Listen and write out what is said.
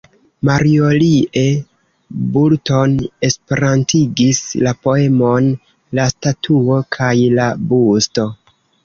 Marjorie Boulton esperantigis la poemon "La Statuo kaj la Busto".